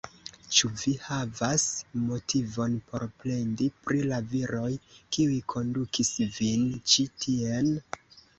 Ĉu vi havas motivon por plendi pri la viroj, kiuj kondukis vin ĉi tien?